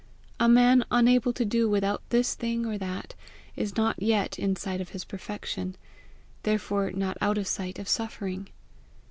A man unable to do without this thing or that, is not yet in sight of his perfection, therefore not out of sight of suffering.